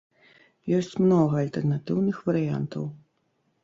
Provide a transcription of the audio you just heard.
Ёсць многа альтэрнатыўных варыянтаў.